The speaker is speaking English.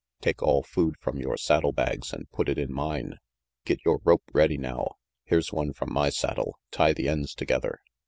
Take all food from your saddle bags and put it in mine. Get your rope ready now. Here's one from my saddle. Tie the ends together.